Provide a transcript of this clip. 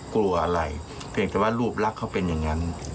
กลัวอะไรเพียงแต่ว่ารูปลักษณ์เขาเป็นอย่างนั้น